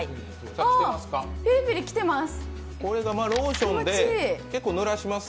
あっピリピリきてます、